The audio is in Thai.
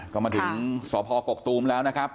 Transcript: ก็มาถึงสพกกตูมแล้วนะครับ